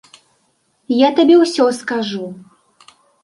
Я табе ўсё скажу.